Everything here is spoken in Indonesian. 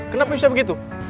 kenapa bisa begitu